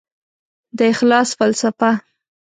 د اخلاص فلسفه